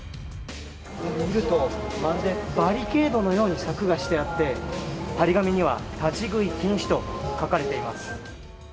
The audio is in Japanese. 見ると、バリケードのように柵がしてあって、貼り紙には、立ち食い禁止と書かれています。